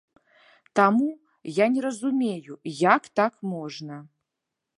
Таму, я не разумею, як так можна.